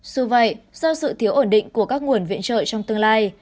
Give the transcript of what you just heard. dù vậy do sự thiếu ổn định của các nguồn viện trợ trong tương lai